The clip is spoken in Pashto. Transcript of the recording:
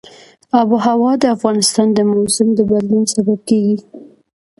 آب وهوا د افغانستان د موسم د بدلون سبب کېږي.